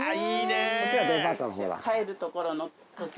こっちはデパートの方だ。